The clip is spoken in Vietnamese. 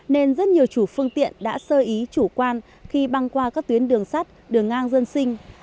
nên rất nhiều chủ phương tiện đã sơ ý chủ quan khi băng qua các tuyến đường sắt đường ngang dân sinh